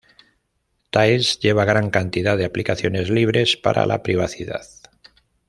Tails lleva gran cantidad de aplicaciones libres para la privacidad